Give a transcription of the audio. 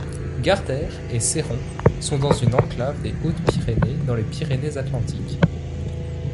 Gardères et Séron sont dans une enclave des Hautes-Pyrénées dans les Pyrénées-Atlantiques.